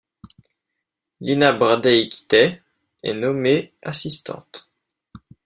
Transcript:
Lina Brazdeikytė est nommé assistante.